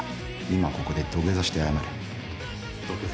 今ここで土下座して謝れ。